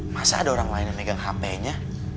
masa ada orang lain yang megang hpnya